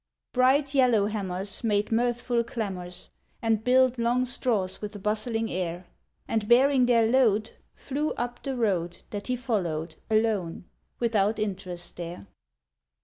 Bright yellowhammers Made mirthful clamours, And billed long straws with a bustling air, And bearing their load Flew up the road That he followed, alone, without interest there.